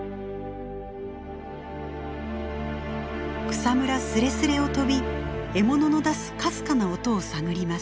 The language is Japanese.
草むらすれすれを飛び獲物の出すかすかな音を探ります。